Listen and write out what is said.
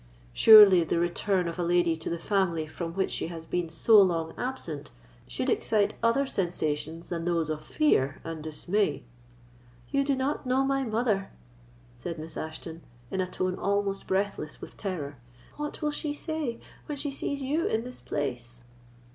Surely the return of a lady to the family from which she has been so long absent should excite other sensations than those of fear and dismay." "You do not know my mother," said Miss Ashton, in a tone almost breathless with terror; "what will she say when she sees you in this place!"